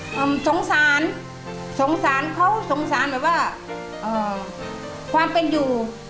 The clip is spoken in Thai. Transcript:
สงสารเขาสงสารหมายว่าความเป็นอยู่